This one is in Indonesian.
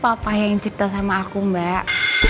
papa yang cipta sama aku mbak